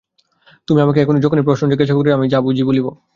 তুমি আমাকে যখনই প্রশ্ন জিজ্ঞাসা করবে আমি যা বুঝি বলব।